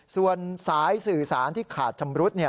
ส่วนสายสื่อสารที่ขาดชำรุด